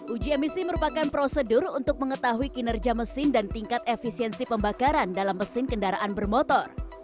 uji emisi merupakan prosedur untuk mengetahui kinerja mesin dan tingkat efisiensi pembakaran dalam mesin kendaraan bermotor